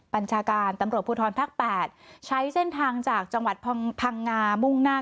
บัญชาการตำรวจภูทรภาค๘ใช้เส้นทางจากจังหวัดพังงามุ่งหน้า